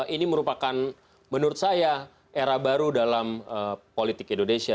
ini merupakan menurut saya era baru dalam politik indonesia